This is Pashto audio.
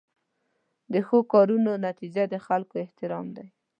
د ښو کارونو نتیجه د خلکو احترام دی.